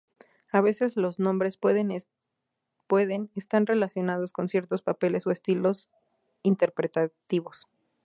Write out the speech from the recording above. A veces los nombres pueden están relacionados con ciertos papeles o estilos interpretativos.